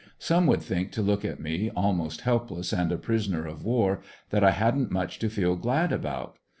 Some would think to look at me almost helpless and a prisoner of war, that I hadn't much to feel glad about.